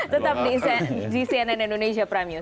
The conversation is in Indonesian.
tetap di cnn indonesia prime news